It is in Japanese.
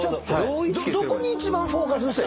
どこに一番フォーカスしたら。